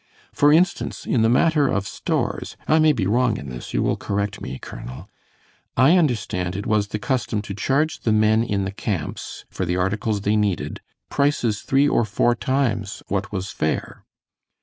For instance, in the matter of stores I may be wrong in this, you will correct me, Colonel I understand it was the custom to charge the men in the camps for the articles they needed prices three or four times what was fair."